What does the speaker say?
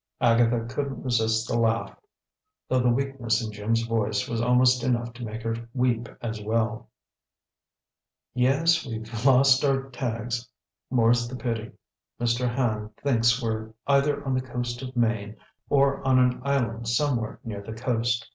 Agatha couldn't resist the laugh, though the weakness in Jim's voice was almost enough to make her weep as well. "Yes, we've lost our tags, more's the pity. Mr. Hand thinks we're either on the coast of Maine, of on an island somewhere near the coast.